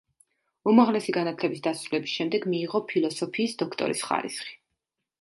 უმაღლესი განათლების დასრულების შემდეგ მიიღო ფილოსოფიის დოქტორის ხარისხი.